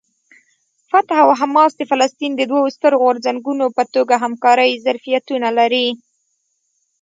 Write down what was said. فتح او حماس د فلسطین د دوو سترو غورځنګونو په توګه همکارۍ ظرفیتونه لري.